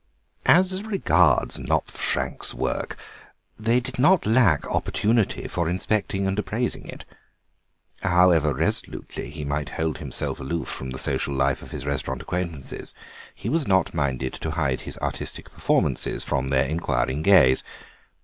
As regards Knopfschrank's work, they did not lack opportunity for inspecting and appraising it. However resolutely he might hold himself aloof from the social life of his restaurant acquaintances, he was not minded to hide his artistic performances from their inquiring gaze.